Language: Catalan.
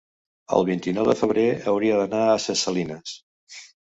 El vint-i-nou de febrer hauria d'anar a Ses Salines.